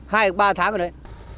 hai ba tháng rồi đấy